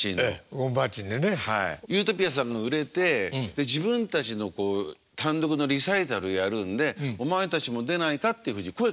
ゆーとぴあさんが売れて自分たちの単独のリサイタルやるんでお前たちも出ないかっていうふうに声かけてくれて。